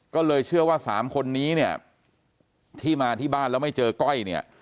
ก็เลยเชื่อว่า๓คนนี้ที่มาที่บ้านแล้วไม่เจอก้อย